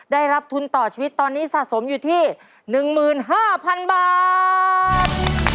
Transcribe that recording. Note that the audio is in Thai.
ได้รับทุนต่อชีวิตตอนนี้สะสมอยู่ที่๑๕๐๐๐บาท